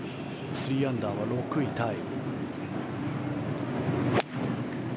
３アンダーは６位タイ。